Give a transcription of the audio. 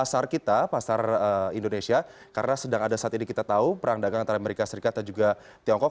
pasar kita pasar indonesia karena sedang ada saat ini kita tahu perang dagang antara amerika serikat dan juga tiongkok